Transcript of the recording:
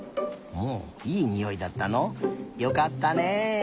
ほういいにおいだったの。よかったね！